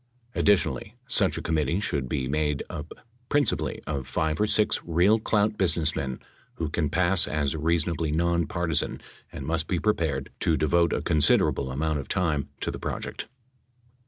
Addi tionally, such a committee should be made up principally of five or six real clout businessmen who can pass as reason ably non partisan and must be prepared to devote a considera able amount of time to the project.